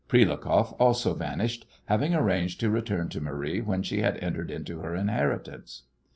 Prilukoff also vanished, having arranged to return to Marie when she had entered into her inheritance.